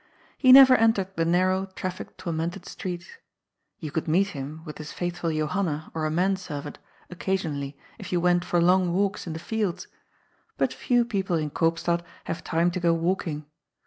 He never entered the narrow, traffic tormented streets. You could meet him, with his faithful Johanna or a manservant, occasionally, if you went for long walks in the fields, but few people in Koopstad have time to go walking.